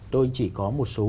tôi chỉ có một số